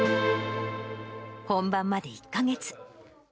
本番まで１か月。